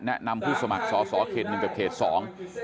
แนะนำผู้สมัครสอเคลนึงกับเคลดสอง